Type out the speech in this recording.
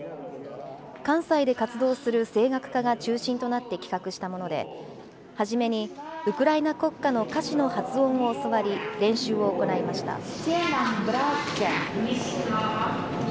関西で活動する声楽家が中心となって企画したもので、初めにウクライナ国歌の歌詞の発音を教わり、練習を行いました。